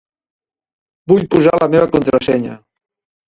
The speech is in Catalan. Vull posar la meva contrasenya.